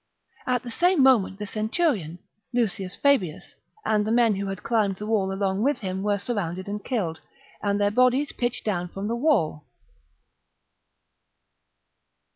At the same moment the centurion, Lucius Fabius, and the men who had climbed the wall along with him, were surrounded and killed, and their bodies pitched down from the wall.